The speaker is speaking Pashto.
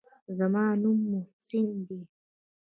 زما نوم محسن دى.